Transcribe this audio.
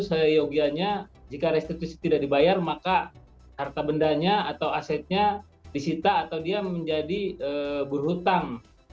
seyogianya jika restitusi tidak dibayar maka harta bendanya atau asetnya disita atau dia menjadi berhutang